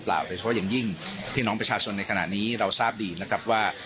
โดยเฉพาะอย่างยิ่งพี่น้องประชาชนในขณะนี้เราทราบดีนะครับว่า